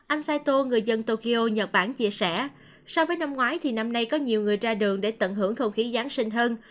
anh saito người dân tokyo nhật bản chia sẻ so với năm ngoái thì năm nay có nhiều người ra đường để tận hưởng không khí giáng sinh hơn